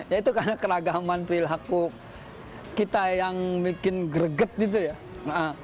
ya itu karena keragaman perilaku kita yang bikin greget gitu ya